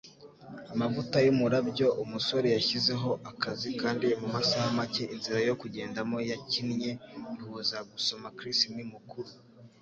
amavuta yumurabyo, Umusore yashyizeho akazi, kandi mumasaha make inzira yo kugendamo yakinnye ihuza gusoma Chris ni Mukuru.